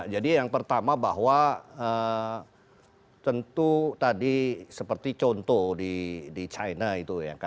jadi yang pertama bahwa tentu tadi seperti contoh di china itu ya